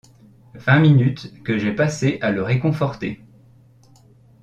Vingt minutes, que j’ai passées à le réconforter.